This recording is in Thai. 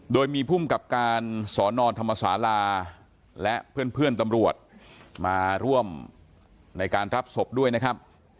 โดยมีภูมิกับการสอนอนธรรมศาลาและเพื่อนตำรวจมาร่วมในการรับศพด้วยนะครับ